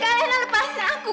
kalena lepasin aku